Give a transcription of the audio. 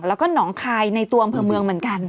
แล้วก็หนองคายในตัวอำเภอเมืองเหมือนกัน